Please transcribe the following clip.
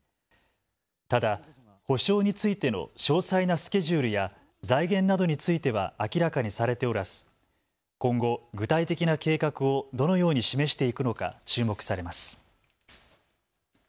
ただ、補償についての詳細なスケジュールや財源などについては明らかにされておらず、今後、具体的な計画をどのように示していくのか注目されます。